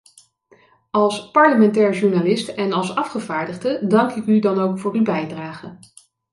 Als parlementair journalist en als afgevaardigde dank ik u dan ook voor uw bijdrage.